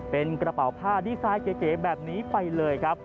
เป็นกระเป๋าผ้าดีไซน์เก๋แบบนี้ไปเลยครับ